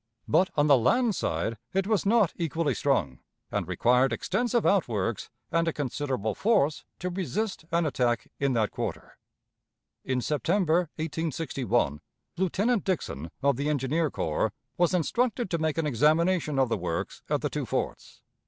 But on the land side it was not equally strong, and required extensive outworks and a considerable force to resist an attack in that quarter. In September, 1861, Lieutenant Dixon, of the Engineer Corps, was instructed to make an examination of the works at the two forts.